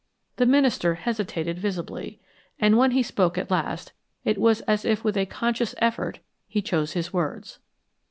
The minister hesitated visibly, and when he spoke at last, it was as if with a conscious effort he chose his words.